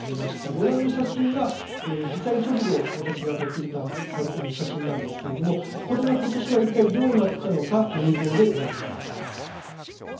ご覧の写真は、被災直後私が撮ってきた写真なんですけれどもこれがことしはいったいどうなったのか映像でご覧いただきます。